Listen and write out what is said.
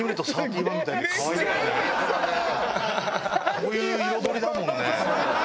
こういう彩りだもんね。